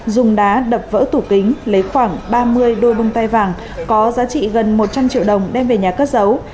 dùng đá đập vỡ tủ kính lấy khoảng ba mươi đôi bông tai vàng có giá trị gần một trăm linh triệu đồng đem về nhà cất giấu